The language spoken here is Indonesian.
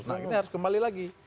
nah ini harus kembali lagi